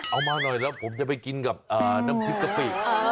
เอามาหน่อยแล้วผมจะไปกินกับน้ำพริกกะปิ